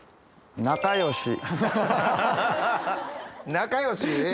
仲良し？